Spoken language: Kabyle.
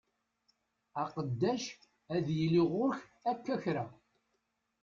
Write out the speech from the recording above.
Aqeddac ad yili ɣur-k akka kra.